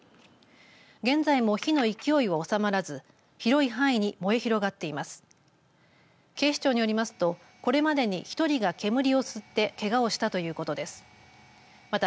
現在も火の勢いはおさまらず広い範囲にも燃え広がっています。